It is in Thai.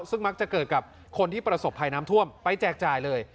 ซึ่งมักจะเกิดกับคนที่ประสบภัยน้ำท่วมไปแจกจ่ายเลย